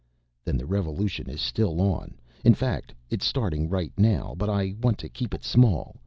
"Then the revolution is still on, in fact it is starting right now but I want to keep it small.